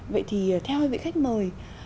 vậy thì theo hai vị khách mời